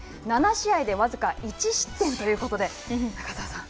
７試合で僅か１失点ということで中澤さん。